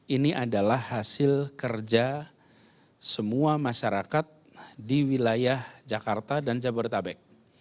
ini adalah hasil kerja semua masyarakat di wilayah jakarta dan jabodetabek